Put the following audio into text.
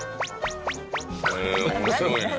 へえ面白いね。